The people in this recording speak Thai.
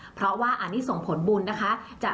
เพราะว่าอันนี้ส่งผลบุญนะคะ